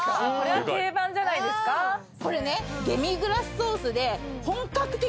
これね。